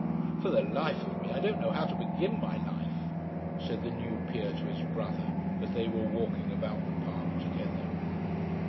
"For the life of me, I don't know how to begin my life," said the new peer to his brother as they were walking about the park together.